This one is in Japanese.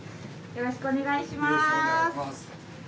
よろしくお願いします。